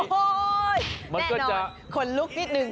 โอ้โฮแน่นอนขนลุกนิดหนึ่ง